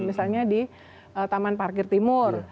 misalnya di taman parkir timur